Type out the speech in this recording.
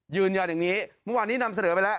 ยืนยันอย่างนี้เมื่อวานนี้นำเสนอไปแล้ว